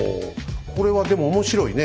これはでも面白いね。